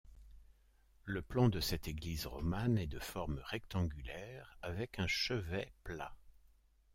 Le plan de cette église romane est de forme rectangulaire, avec un chevet plat.